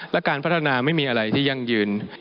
และการพัฒนาไม่มีอะไรที่ยั่งยืน